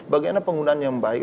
bagiannya penggunaan yang baik